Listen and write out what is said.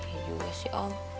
iya juga sih om